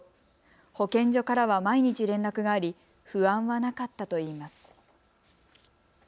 保健所からは毎日、連絡があり不安はなかったといいます。